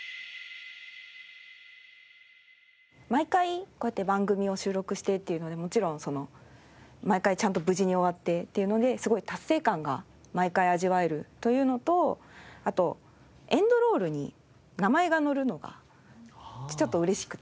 毎回こうやって番組を収録してっていうのでもちろんその毎回ちゃんと無事に終わってっていうのですごい達成感が毎回味わえるというのとあとエンドロールに名前が載るのがちょっと嬉しくて。